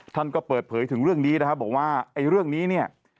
ท่านก็เปิดเผยถึงเรื่องนี้บอกว่าเรื่องนี้